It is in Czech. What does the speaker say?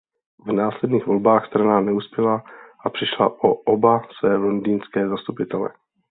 V následných volbách strana neuspěla a přišla o oba své londýnské zastupitele.